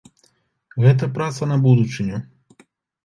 Гэта праца на будучыню.